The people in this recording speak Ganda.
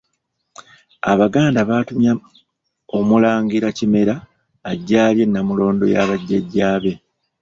Abaganda baatumya omulangira Kimera ajje alye Nnamulondo ya bajjajjaabe.